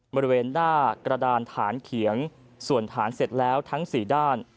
บริเวณหน้ากระดานฐานเขียงส่วนฐานเสร็จแล้วทั้ง๔ด้าน